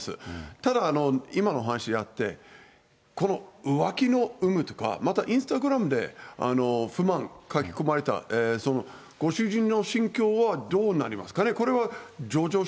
ただ、今の話であって、この浮気の有無とか、またインスタグラムで不満書き込まれた、ご主人の心境はどうなりますかね？